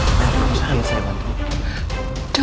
gak usah lagi saya bantu